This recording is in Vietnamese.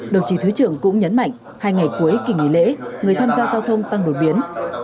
đồng chí thứ trưởng cũng nhấn mạnh hai ngày cuối kỳ nghỉ lễ người tham gia giao thông tăng đột biến